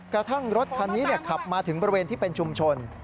กระทั่งรถคันนี้ขับมาถึงบริเวณที่เป็นชุมชน